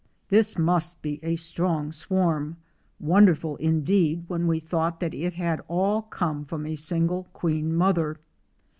This must be a strong swarm, wonderful indeed when we thought that it had all come from a single queen mother.